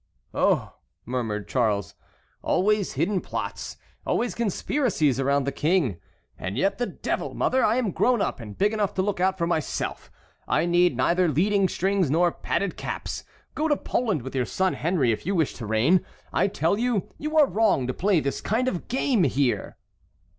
"Oh!" murmured Charles, "always hidden plots, always conspiracies around the King. And yet, the devil! mother, I am grown up, and big enough to look out for myself. I need neither leading strings nor padded caps. Go to Poland with your son Henry if you wish to reign; I tell you you are wrong to play this kind of game here."